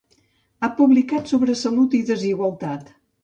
Ha publicat sobre salut i desigualtat.